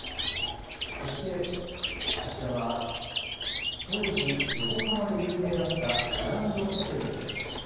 そして、こちらは当時横浜で有名だったグランドホテルです。